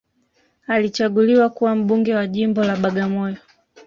alichaguliwa kuwa mbunge wa jimbo la bagamoyo